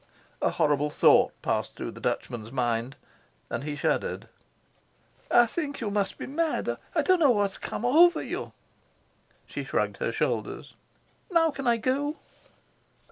A horrible thought passed through the Dutchman's mind, and he shuddered. "I think you must be mad. I don't know what has come over you." She shrugged her shoulders. "Now may I go?"